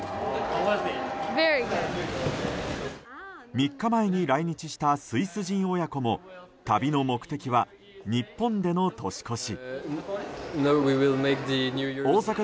３日前に来日したスイス人親子も旅の目的は日本での年越し。